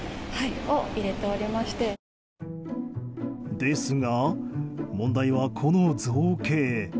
ですが、問題はこの造形。